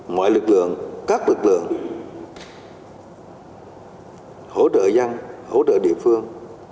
mọi lực lượng các lực lượng hỗ trợ dân hỗ trợ địa phương